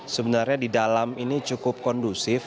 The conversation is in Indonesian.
sebenarnya di dalam ini cukup kondusif